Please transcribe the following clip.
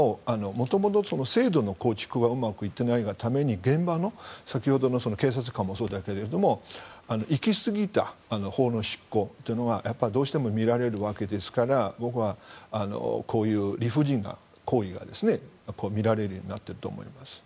元々、制度の構築はうまくいっていないがために現場の先ほどの警察官もそうだけれど行きすぎた法の執行というのはどうしても見られるわけですからこういう理不尽な行為が見られるようになったと思われます。